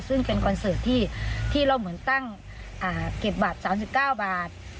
ซึ่งเป็นคอนเสิร์ตที่เราเหมือนตั้งเก็บบัตร๓๙บาท